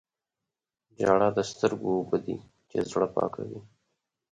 • ژړا د سترګو اوبه دي چې زړه پاکوي.